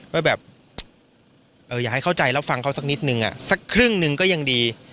ว่าอย่าให้เข้าใจแล้วฟังเขาสักนิดนึงสักครึ่งนึงก็ยังดี